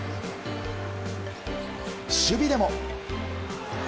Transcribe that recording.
守備でも。